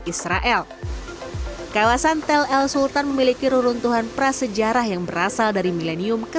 israel kawasan tel el sultan memiliki reruntuhan prasejarah yang berasal dari milenium ke